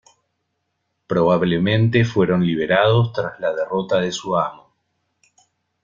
Probablemente fueron liberados tras la derrota de su amo.